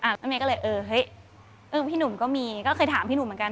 แม่เมย์ก็เลยเออเฮ้ยพี่หนุ่มก็มีก็เคยถามพี่หนุ่มเหมือนกัน